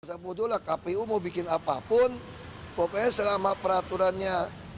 saya butuhlah kpu mau bikin apapun pokoknya selama peraturannya